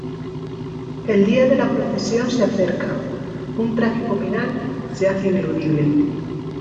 El día de la procesión se acerca, un trágico final se hace ineludible.